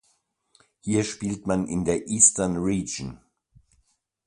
Hier spielt man in der "Eastern Region".